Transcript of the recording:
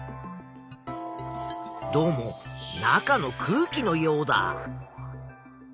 どうも中の空気のようだ。